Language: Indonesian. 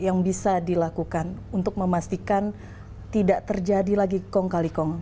yang bisa dilakukan untuk memastikan tidak terjadi lagi kong kali kong